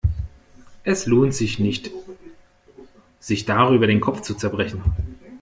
Es lohnt sich nicht, sich darüber den Kopf zu zerbrechen.